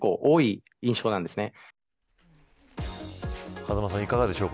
風間さん、いかがでしょう。